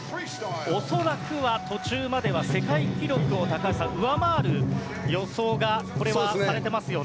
恐らくは途中までは世界記録を上回る予想がこれはされてますよね。